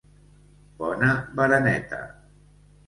Bona bereneta